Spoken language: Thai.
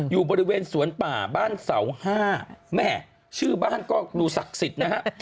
อยู่บริเวณสวนป่าบ้านเสาห้าแม่ชื่อบ้านก็ดูศักดิ์สิทธิ์นะฮะ